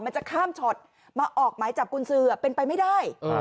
มันจะข้ามช็อตมาออกหมายจับกุญสือเป็นไปไม่ได้